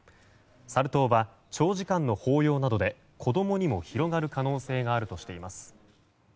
サル痘は長時間の抱擁などで子供にも広がる可能性があるとしています。